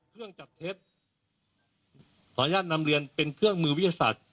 เครื่องจับเท็จขออนุญาตนำเรียนเป็นเครื่องมือวิทยาศาสตร์